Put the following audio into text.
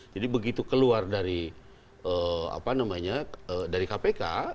jadi begitu keluar dari kpk